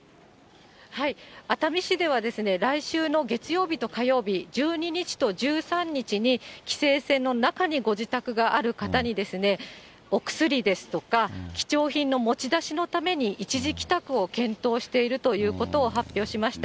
熱海市では、来週の月曜日と火曜日、１２日と１３日に、規制線の中にご自宅がある方に、お薬ですとか、貴重品の持ち出しのために、一時帰宅を検討しているということを発表しました。